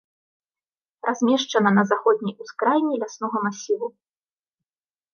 Размешчана на заходняй ускраіне ляснога масіву.